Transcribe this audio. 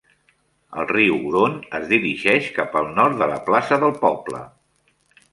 El riu Huron es dirigeix cap al nord de la plaça del poble.